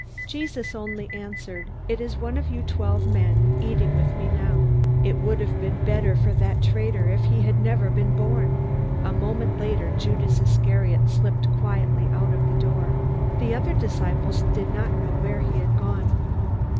Jesus only answered: "It is one of you twelve men, eating with me now. It would have been better for that traitor if he had never been born!" A moment later Judas Iscariot slipped quietly out of the door. The other disciples did not know where he had gone.